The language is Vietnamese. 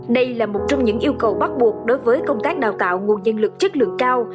đây là một trong những yêu cầu bắt buộc đối với công tác đào tạo nguồn dân lực chất lượng cao